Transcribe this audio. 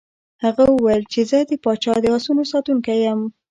هغه وویل چې زه د پاچا د آسونو ساتونکی یم.